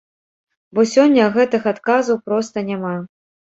Бо сёння гэтых адказаў проста няма.